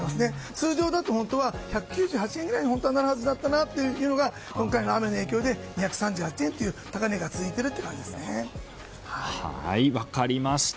通常だと本当は１９８円ぐらいになるはずだったのが、今回の雨の影響で２３８円ということで分かりました。